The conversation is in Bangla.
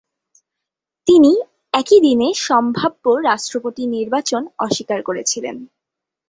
তিনি একই দিনে সম্ভাব্য রাষ্ট্রপতি নির্বাচন অস্বীকার করেছিলেন।